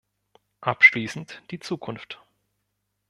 Abschließend die Zukunft.